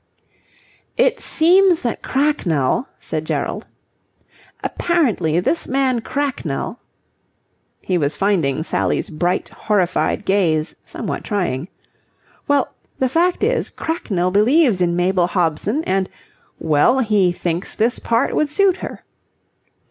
"It seems that Cracknell..." said Gerald. "Apparently this man Cracknell..." He was finding Sally's bright, horrified gaze somewhat trying. "Well, the fact is Cracknell believes in Mabel Hobson...and... well, he thinks this part would suit her."